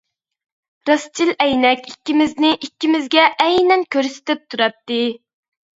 راستچىل ئەينەك ئىككىمىزنى ئىككىمىزگە ئەينەن كۆرسىتىپ تۇراتتى.